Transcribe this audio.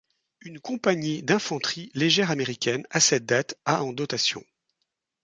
Une compagnie d'infanterie légère américaine, à cette date, a en dotation.